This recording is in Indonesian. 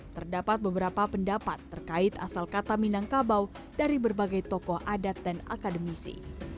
terdapat beberapa pendapat terkait asal kata minangkabau dari berbagai tokoh adat dan akademisi